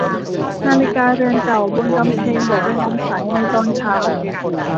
นาฬิกาเรือนเก่าบนกำแพงบอกเวลาสายในตอนเช้า